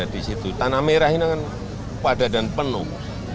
yang ada di situ tanah merah ini kan pada dan penuh